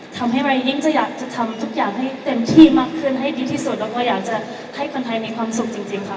ทำให้รายยิ่งจะอยากจะทำทุกอย่างให้เต็มที่มากขึ้นให้ดีที่สุดแล้วก็อยากจะให้คนไทยมีความสุขจริงค่ะ